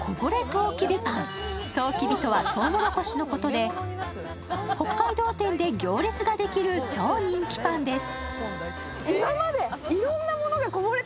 とうきびとは、とうもろこしのことで北海道展で行列ができる超人気パンです。